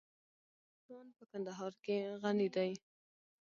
افغانستان په کندهار غني دی.